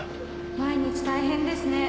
「毎日大変ですね」